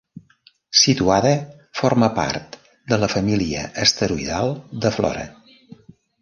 Situada forma part de la família asteroidal de Flora.